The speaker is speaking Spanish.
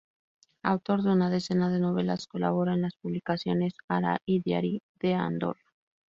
Autor de una decena de novelas, colabora en las publicaciones "Ara" y "Diari d'Andorra".